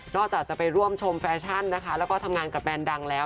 จะไปร่วมชมแฟชั่นนะคะแล้วก็ทำงานกับแบรนด์ดังแล้ว